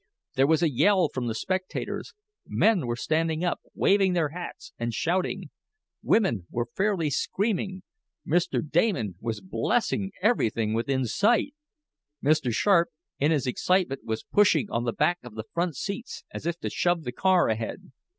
There was a yell from the spectators. Men were standing up, waving their hats and shouting. Women were fairly screaming. Mr. Damon was blessing everything within sight. Mr. Sharp, in his excitement, was pushing on the back of the front seats as if to shove the car ahead.